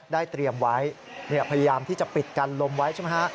เตรียมไว้พยายามที่จะปิดกันลมไว้ใช่ไหมฮะ